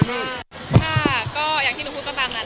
ตุรกิจก็เรียกแปดแล้วนะ